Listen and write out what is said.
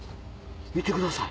見てください。